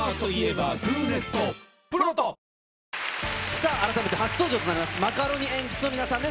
さあ、改めて初登場となります、マカロニえんぴつの皆さんです。